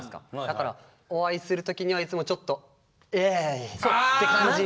だからお会いする時にはいつもちょっと「エーイ」って感じになっちゃう。